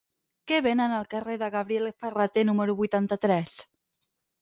Què venen al carrer de Gabriel Ferrater número vuitanta-tres?